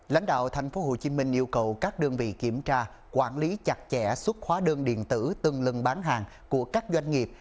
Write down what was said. lãnh đạo tp hcm yêu cầu các đơn vị kiểm tra quản lý chặt chẽ xuất khóa đơn điện tử từng lần bán hàng của các doanh nghiệp